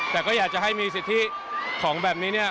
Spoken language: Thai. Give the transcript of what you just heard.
แต่ก็อยากจะให้มีสิทธิของแบบนี้เนี่ย